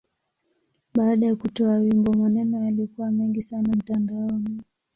Baada ya kutoa wimbo, maneno yalikuwa mengi sana mtandaoni.